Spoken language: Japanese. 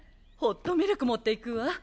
ホットミルク持っていくわ。